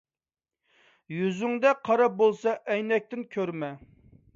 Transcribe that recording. يۈزۈڭدە قارا بولسا ئەينەكتىن كۆرمە.